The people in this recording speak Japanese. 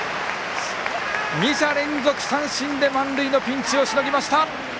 ２者連続三振で満塁のピンチをしのぎました。